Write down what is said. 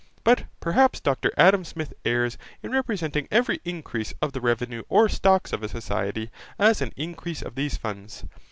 But perhaps Dr Adam Smith errs in representing every increase of the revenue or stock of a society as an increase of these funds.